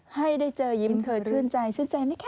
ให้ได้เจอยิ้มเธอชื่นใจชื่นใจไหมคะ